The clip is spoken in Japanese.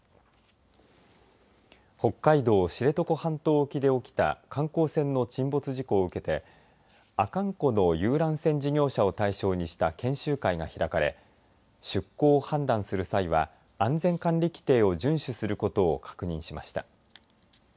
北海道知床半島沖で起きた観光船の沈没事故を受けて阿寒湖の遊覧船事業者を対象にした研修会が開かれ出航を判断する際は安全管理規程を順守することを確認しました。